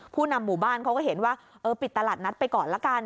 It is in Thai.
นำหมู่บ้านเขาก็เห็นว่าเออปิดตลาดนัดไปก่อนละกัน